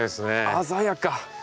鮮やか！